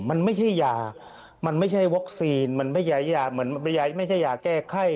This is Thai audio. มันไม่ใช่หยาแก้ไข้